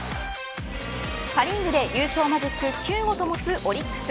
パ・リーグで優勝マジック９をともす、オリックス。